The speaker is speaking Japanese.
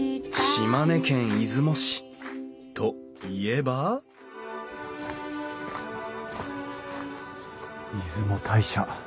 島根県出雲市といえば出雲大社。